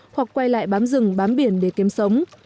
hoặc quay lại bám rừng bám biển để kiếm sống